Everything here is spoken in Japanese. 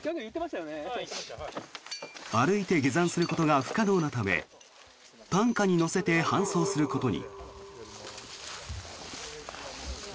歩いて下山することが不可能なため担架に乗せて搬送することに。